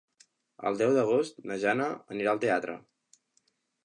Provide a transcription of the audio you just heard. El deu d'agost na Jana anirà al teatre.